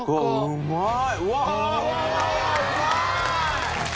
うまい！